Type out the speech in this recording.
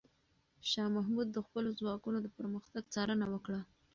شاه محمود د خپلو ځواکونو د پرمختګ څارنه وکړه.